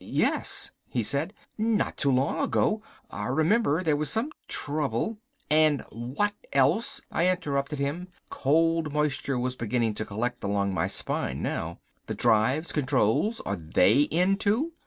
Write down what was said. "Yes " he said, "not too long ago. I remember there was some trouble...." "And what else!" I interrupted him. Cold moisture was beginning to collect along my spine now. "The drives, controls are they in, too?"